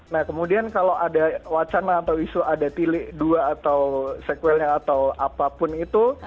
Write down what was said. nah kemudian kalau ada wacana atau isu ada tilik dua atau sequelnya atau apapun itu